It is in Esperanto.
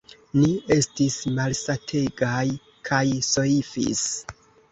Ni estis malsategaj kaj soifis.